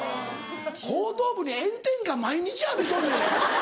後頭部に炎天下毎日浴びとんねん。